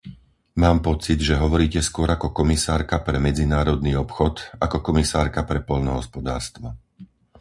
Mám pocit, že hovoríte skôr ako komisárka pre medzinárodný obchod ako komisárka pre poľnohospodárstvo.